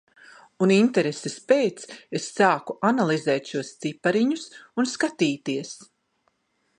Un intereses pēc es sāku analizēt šos cipariņus un skatīties.